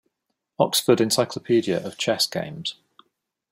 Oxford Encyclopaedia of Chess Games.